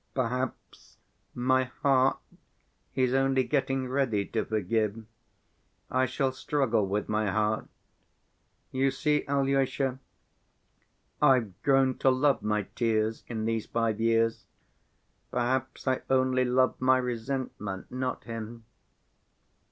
"Perhaps my heart is only getting ready to forgive. I shall struggle with my heart. You see, Alyosha, I've grown to love my tears in these five years.... Perhaps I only love my resentment, not him